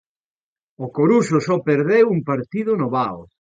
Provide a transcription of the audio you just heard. O Coruxo só perdeu un partido no Vao.